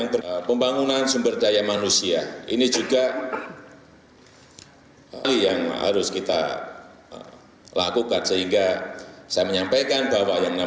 yang namanya yang keempat membangun sumber daya manusia ini juga hal yang harus kita lakukan sehingga saya menyampaikan bahwa yang namanya